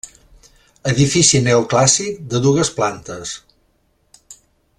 Edifici neoclàssic de dues plantes.